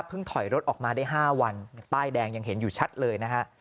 ถอยรถออกมาได้๕วันป้ายแดงยังเห็นอยู่ชัดเลยนะฮะ